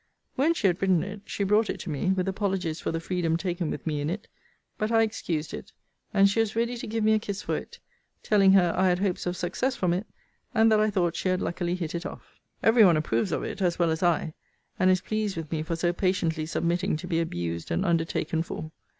When she had written it, she brought it to me, with apologies for the freedom taken with me in it: but I excused it; and she was ready to give me a kiss for it; telling her I had hopes of success from it; and that I thought she had luckily hit it off. Every one approves of it, as well as I; and is pleased with me for so patiently submitting to be abused, and undertaken for.